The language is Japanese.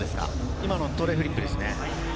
今のトレフリップですね。